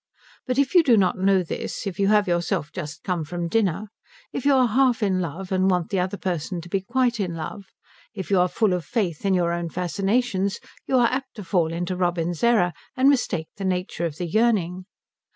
But if you do not know this, if you have yourself just come from dinner, if you are half in love and want the other person to be quite in love, if you are full of faith in your own fascinations, you are apt to fall into Robin's error and mistake the nature of the yearning.